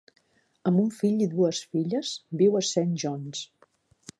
Amb un fill i dues filles, viu a Saint John's.